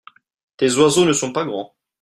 tes oiseaux ne sont pas grands.